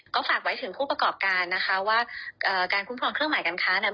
ก็ฝากไว้ถึงผู้ประกอบการนะคะว่าการคุ้มครองเครื่องหมายการค้าเนี่ย